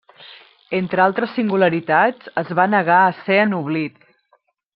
Entre altres singularitats, es va negar a ser ennoblit.